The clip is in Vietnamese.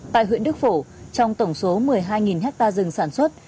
tại huyện đức phổ trong tổng số một mươi hai ha rừng sản xuất